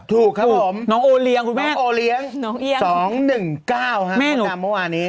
ถูกครับผมน้องโอเลียงคุณแม่น้องโอเลียง๒๑๙ครับตามเมื่อวานี้